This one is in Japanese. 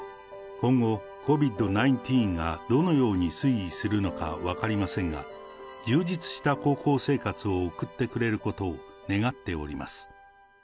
今後、ＣＯＶＩＤー１９がどのように推移するのか分かりませんが、充実した高校生活を送ってくれることを願っております。